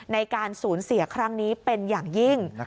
ในการสูญเสียครั้งนี้เป็นอย่างยิ่ง